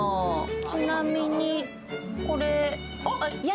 ちなみにこれやだ！